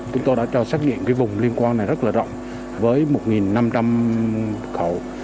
chúng tôi đã cho xét nghiệm cái vùng liên quan này rất là rộng với một năm trăm linh khẩu